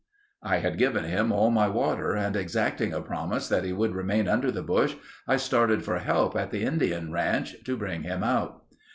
I had given him all my water and exacting a promise that he would remain under the bush, I started for help at the Indian Ranch, to bring him out.